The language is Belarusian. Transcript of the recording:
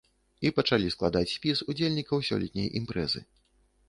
І пачалі складаць спіс удзельнікаў сёлетняй імпрэзы.